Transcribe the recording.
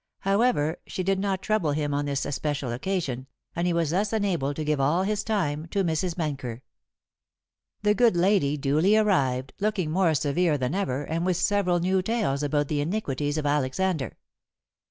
However, she did not trouble him on this especial occasion, and he was thus enabled to give all his time to Mrs. Benker. That good lady duly arrived, looking more severe than ever and with several new tales about the iniquities of Alexander.